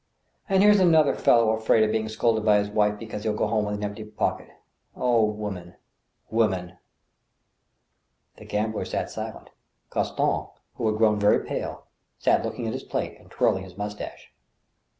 •.. And here's another fellow afraid of being scolded by his wife because he'll go home with an empty pocket. ... O women I women 1 " The gamblers sat silent. Gaston, who had grown very pale, sat looking at his plate and twirling his mustache.